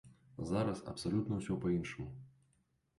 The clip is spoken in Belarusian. Зараз абсалютна ўсё па-іншаму.